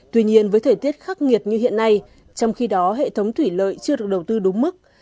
tuy nhiên với thời tiết khắc nghiệt như hiện nay trong khi đó hệ thống thủy lợi chưa được đầu tư đúng mức